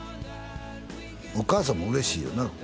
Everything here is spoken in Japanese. お母さんも嬉しいよな